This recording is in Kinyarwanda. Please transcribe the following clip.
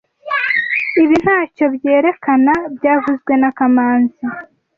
Ibi ntacyo byerekana byavuzwe na kamanzi